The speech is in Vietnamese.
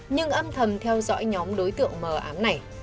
nhưng âm thầm theo dõi nhóm đối tượng mờ ám này